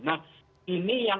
nah ini yang